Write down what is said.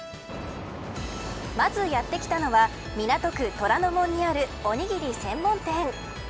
まず、やってきたのは港区虎ノ門にあるおにぎり専門店。